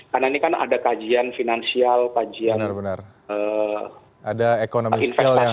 karena ini kan ada kajian finansial kajian investasi dan lain lain